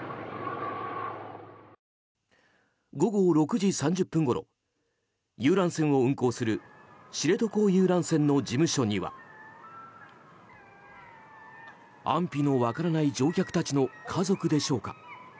午後６時３０分ごろ遊覧船を運航する知床遊覧船の事務所には安否の分からない乗客たちの家族でしょうか。